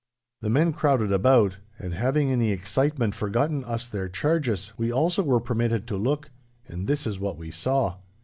The men crowded about, and, having in the excitement forgotten us their charges, we also were permitted to look. And this is what we saw.